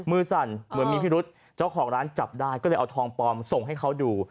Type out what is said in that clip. สั่นเหมือนมีพิรุษเจ้าของร้านจับได้ก็เลยเอาทองปลอมส่งให้เขาดู